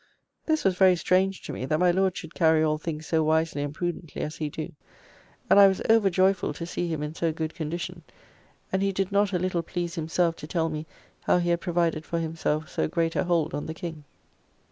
This was very strange to me, that my Lord should carry all things so wisely and prudently as he do, and I was over joyful to see him in so good condition, and he did not a little please himself to tell me how he had provided for himself so great a hold on the King.